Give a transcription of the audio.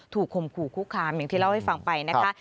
ข่มขู่คุกคามอย่างที่เล่าให้ฟังไปนะคะ